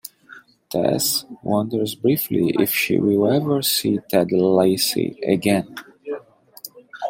Tess wonders briefly if she will ever see Ted Lacey again.